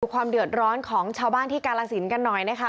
ความเดือดร้อนของชาวบ้านที่กาลสินกันหน่อยนะคะ